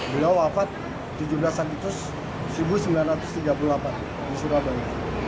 beliau wafat tujuh belas agustus seribu sembilan ratus tiga puluh delapan di surabaya